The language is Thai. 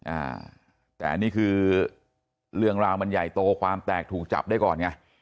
อ่าแต่อันนี้คือเรื่องราวมันใหญ่โตความแตกถูกจับได้ก่อนไง